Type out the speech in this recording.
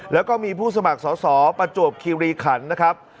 แล้วก็มีผู้สมัครสอสอประจวบคิริขันนะครับ